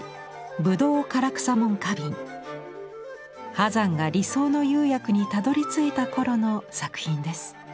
波山が理想の釉薬にたどりついた頃の作品です。